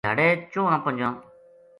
دھیاڑے چواں پنجاں